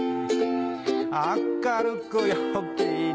明るく陽気に